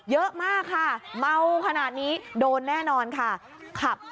เยอะมากค่ะเมาขนาดนี้โดนแน่นอนค่ะ